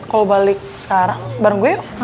kalo balik sekarang bareng gue yuk